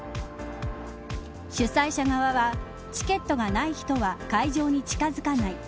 主催者側は、チケットがない人は会場に近づかない。